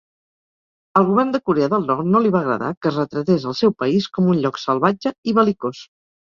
Al govern de Corea del Nord no li va agradar que es retratés el seu país com un lloc salvatge i bel·licós.